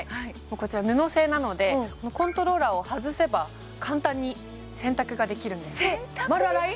こちら布製なのでコントローラーを外せば簡単に洗濯ができるんです丸洗い？